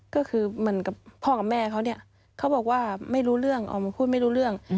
ก็คือเหมือนกับพ่อกับแม่เขาเนี่ยเขาบอกว่าไม่รู้เรื่องออกมาพูดไม่รู้เรื่อง